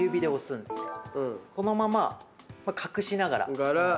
このまま隠しながら。